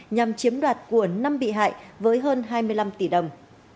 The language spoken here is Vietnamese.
nhằm chiếm đoạt của năm bị hại với hơn hai mươi năm tỷ đồng